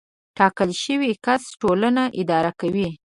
ټاکل شوی کس ټولنه اداره کوي.